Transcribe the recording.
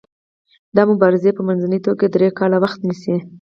دا مبارزې په منځنۍ توګه درې کاله وخت نیسي.